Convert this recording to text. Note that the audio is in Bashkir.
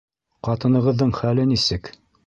Ҡатынығыҙҙың хәле нисек?